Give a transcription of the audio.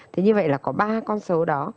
thế như vậy là có ba con số đó